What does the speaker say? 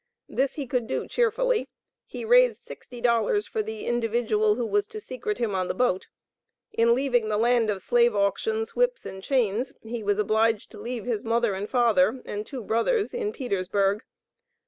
This he could do cheerfully. He raised "sixty dollars" for the individual who was to "secrete him on the boat." In leaving the land of Slave auctions, whips and chains, he was obliged to leave his mother and father and two brothers in Petersburg.